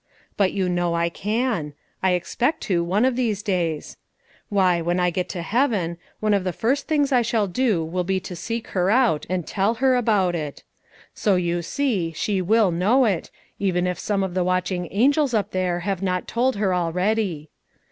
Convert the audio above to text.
But you know I can; I expect to one of these days. Why, when I get to heaven, one of the first things I shall do will be to seek her out and tell her about it. So, you see, she will know it, even if some of the watching angels up there have not told her already.